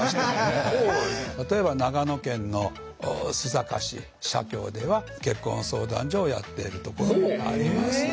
例えば長野県の須坂市社協では結婚相談所をやっているところもあります。